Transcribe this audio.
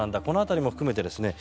この辺りも含めて